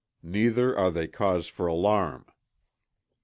Neither are they cause for alarm."